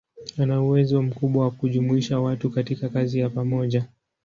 Ana uwezo mkubwa wa kujumuisha watu katika kazi ya pamoja.